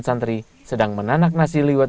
santri sedang menanak nasi liwet